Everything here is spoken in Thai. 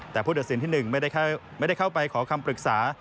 แต่ผู้ตัดสินที่๑ไม่ได้เข้าไปขอคำปรึกษา